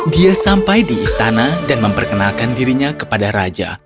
dia sampai di istana dan memperkenalkan dirinya kepada raja